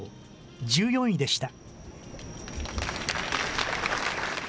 １４位でした。